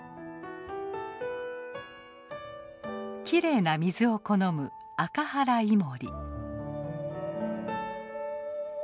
きれいな水を好むアカハライモリ。